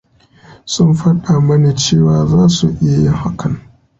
Sun faɗa mani cewa za su iya yin hakan.